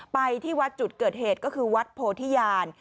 ไปที่วัดจุดเกิดเหตุก็คือวัดโพธิญาณ